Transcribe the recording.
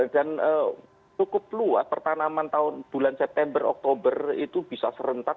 dan cukup luas pertanaman tahun bulan september oktober itu bisa serentak